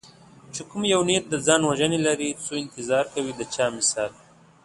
چې کوم یو نیت د ځان وژنې لري څو انتظار کوي د چا مثلا